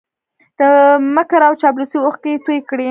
د مکر او چاپلوسۍ اوښکې یې توی کړې